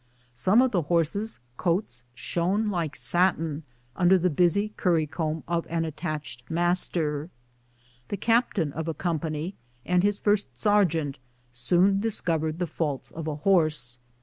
Some of the horses' coats shone like satin under the busy currycomb of an attached master. The captain of a company and his first sergeant soon discovered the faults of a horse.